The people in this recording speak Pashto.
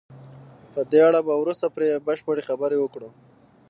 په دې اړه به وروسته پرې بشپړې خبرې وکړو.